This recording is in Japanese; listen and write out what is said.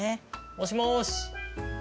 ☎もしもし。